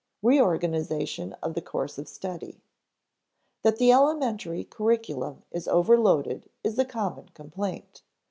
[Sidenote: Reorganization of the course of study] That the elementary curriculum is overloaded is a common complaint.